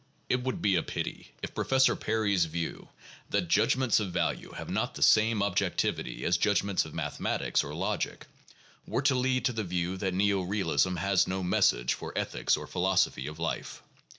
It would be a pity if Professor Perry's view, that judgments of value have not the same objectivity as judgments of mathematics or logic, were to lead to the view that neo realism has no message for ethics or philosophy of life.